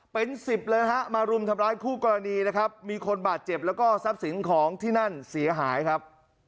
เป็นสิบเลยฮะมารุมทำร้ายคู่กรณีนะครับมีคนบาดเจ็บแล้วก็ทรัพย์สินของที่นั่นเสียหายครับ